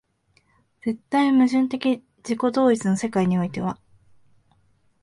絶対矛盾的自己同一の世界においては、